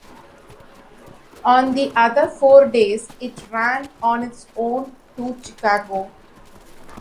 On the other four days, it ran on its own to Chicago.